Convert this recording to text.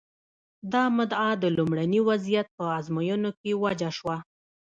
دا مدعا د لومړني وضعیت په ازموینو کې موجه شوه.